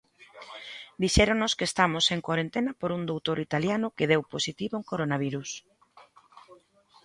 Dixéronos que estamos en corentena por un doutor italiano que deu positivo en coronavirus.